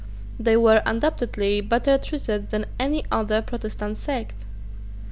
They were undoubtedly better treated than any other Protestant sect.